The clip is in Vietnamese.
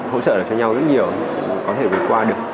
hỗ trợ được cho nhau rất nhiều mà có thể vượt qua được